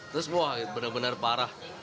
terus wah benar benar parah